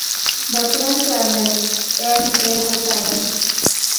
বর্তমান chairman: M A Hossain.